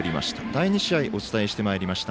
第２試合お伝えしてまいりました